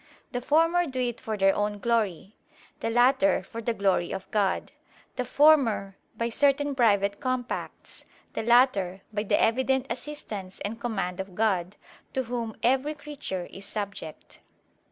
The former do it for their own glory; the latter, for the glory of God: the former, by certain private compacts; the latter by the evident assistance and command of God, to Whom every creature is subject."